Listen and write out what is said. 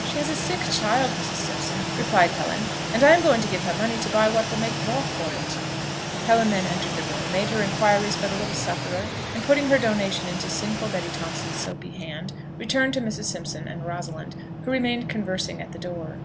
"She has a sick child, Mrs. Simpson," replied Helen, "and I am going to give her money to buy what will make broth for it." Helen then entered the room, made her inquiries for the little sufferer, and putting her donation into sinful Betty Thomas's soapy hand, returned to Mrs. Simpson and Rosalind, who remained conversing at the door.